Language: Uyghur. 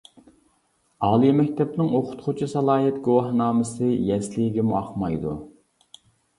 ئالىي مەكتەپنىڭ ئوقۇتقۇچى سالاھىيەت گۇۋاھنامىسى يەسلىگىمۇ ئاقمايدۇ.